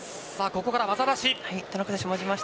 ここから技出し。